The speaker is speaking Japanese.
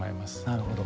なるほど。